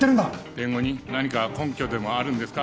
弁護人何か根拠でもあるんですか？